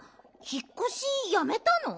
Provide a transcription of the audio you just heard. ひっこしやめたの？